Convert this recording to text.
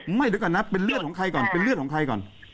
ไม่เดี๋ยวก่อนนะเป็นเลือดของใครก่อนเป็นเลือดของใครก่อน